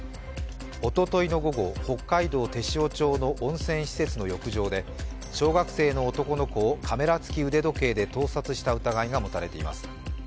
おとといの午後、北海道天塩町の温泉施設の浴場で小学生の男の子をカメラ付き腕時計で盗撮した疑いが持たれています。